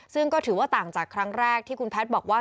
ซึ่งก็ถือว่าต่างจากครั้งแรกที่คุณแพทย์บอกว่า